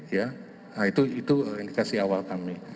ya itu indikasi awal kami